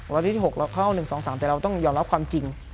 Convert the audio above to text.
วันที่๖เราเข้า๑๒๓แต่เราต้องยอมรับความจริง